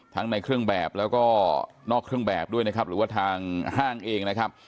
ทั้งในเครื่องแบบแล้วก็นอกเครื่องแบบด้วยนะครับหรือว่าทางห้างเองนะครับ